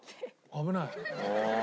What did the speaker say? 危ない。